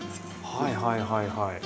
はいはいはいはい。